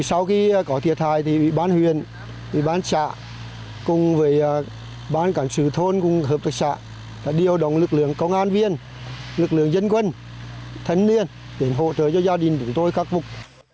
sau khi có thiệt hại thì bán huyện bán trạ cùng với bán cảnh sử thôn cùng với hợp tác trạ đã điều động lực lượng công an viên lực lượng dân quân thân niên để hỗ trợ cho gia đình của tôi khắc phục